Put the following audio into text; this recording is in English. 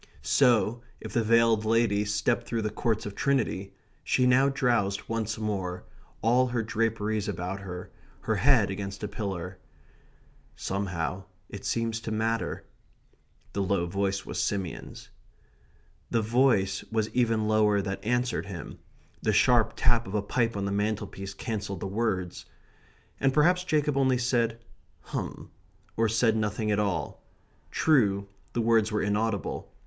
So, if the veiled lady stepped through the Courts of Trinity, she now drowsed once more, all her draperies about her, her head against a pillar. "Somehow it seems to matter." The low voice was Simeon's. The voice was even lower that answered him. The sharp tap of a pipe on the mantelpiece cancelled the words. And perhaps Jacob only said "hum," or said nothing at all. True, the words were inaudible.